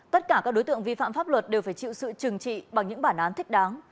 tất cả các đối tượng vi phạm pháp luật đều phải chịu sự trừng trị bằng những bản án thích đáng